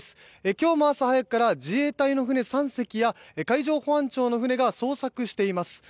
今日も朝早くから自衛隊の船３隻や海上保安庁の船が捜索しています。